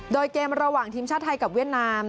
โดยเกมระหว่างทีมชาติไทยกับเวียดนาม